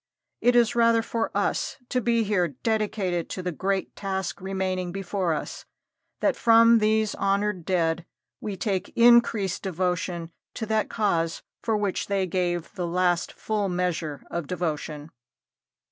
It is rather for us to be here dedicated to the great task remaining before us that from these honored dead we take increased devotion to that cause for which they gave the last full measure of devotion.